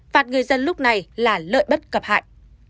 phạt người dân lúc này là lợi bất cập hại